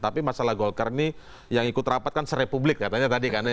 tapi masalah golkar ini yang ikut rapat kan serepublik katanya tadi kan ya